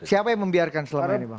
siapa yang membiarkan selama ini bang